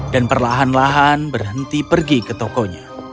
dan perlahan lahan berhenti pergi ke tokonya